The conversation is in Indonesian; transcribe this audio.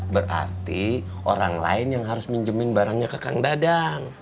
berarti orang lain yang harus minjemin barangnya ke kang dadang